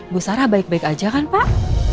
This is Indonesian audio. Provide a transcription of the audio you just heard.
bu sarah baik baik aja kan pak